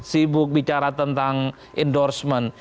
sibuk bicara tentang endorsement